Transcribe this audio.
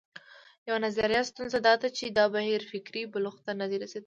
یوه نظري ستونزه دا ده چې دا بهیر فکري بلوغ ته نه دی رسېدلی.